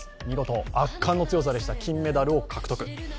見事、圧巻の強さでした、金メダルを獲得。